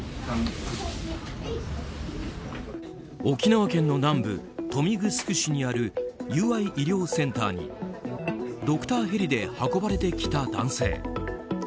沖縄県の南部、豊見城市にある友愛医療センターにドクターヘリで運ばれてきた男性。